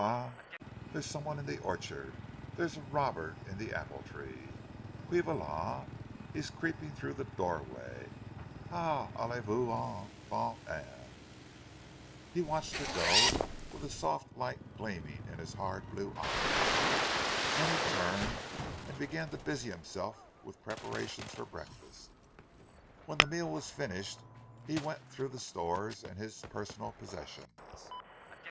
"Qui va là! There's someone in the orchard, There's a robber in the apple trees, Qui va là! He is creeping through the doorway. Ah, allez vous en! va t' en!" He watched her go, with a soft light gleaming in his hard blue eyes, then he turned and began to busy himself with preparations for breakfast. When the meal was finished, he went through the stores and his personal possessions.